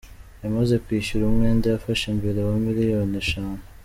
Yamaze kwishyura umwenda yafashe mbere wa miliyoni eshanu.